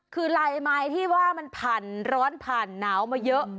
คือลายไม้ที่ว่ามันผ่านร้อนผ่านหนาวมาเยอะ